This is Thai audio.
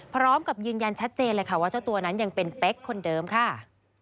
พร้อมกับยืนยันชัดเจนเลยค่ะว่าเจ้าตัวนั้นยังเป็นเป๊กคนเดิมค่ะ